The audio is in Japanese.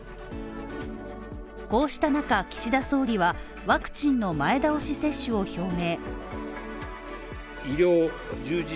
こうした中、岸田総理はワクチンの前倒し接種を表明。